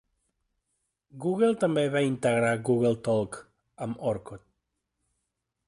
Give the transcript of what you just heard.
Google també va integrar Google Talk amb Orkut.